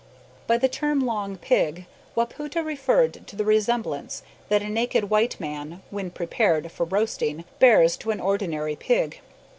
By the term "long pig" Wapoota referred to the resemblance that a naked white man when prepared for roasting bears to an ordinary pig.